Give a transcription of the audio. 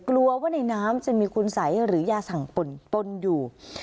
กลัวว่าในน้ำจะมีคุณสัยหรือยาสั่งปนปนอยู่